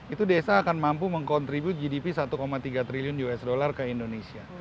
itu desa akan mampu mengkontribusi gdp satu tiga triliun usd ke indonesia